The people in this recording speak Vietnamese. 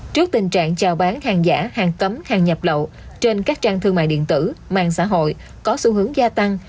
trước tình trạng chào bán hàng giả hàng cấm hàng nhập lậu trên các trang thương mại điện tử mạng xã hội có xu hướng gia tăng